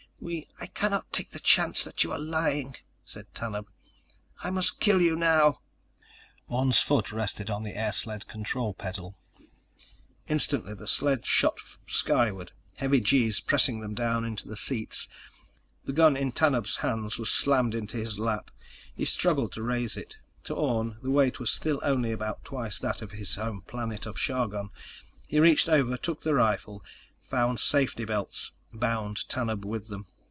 "We—" "I cannot take the chance that you are lying," said Tanub. "I must kill you now." Orne's foot rested on the air sled control pedal. He depressed it. Instantly, the sled shot skyward, heavy G's pressing them down into the seats. The gun in Tanub's hands was slammed into his lap. He struggled to raise it. To Orne, the weight was still only about twice that of his home planet of Chargon. He reached over, took the rifle, found safety belts, bound Tanub with them.